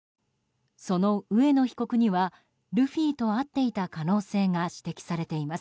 その上野被告にはルフィと会っていた可能性が指摘されています。